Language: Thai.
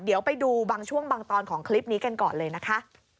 เดี๋ยวไปดูบางช่วงบางตอนของคลิปนี้กันก่อนเลยนะคะ